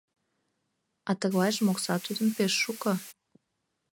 А тыглайжым окса тудын пеш шуко.